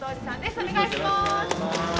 お願いします。